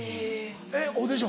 えっオーディション？